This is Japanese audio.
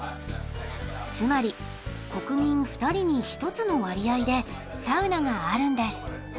つまり国民２人に１つの割合でサウナがあるんです。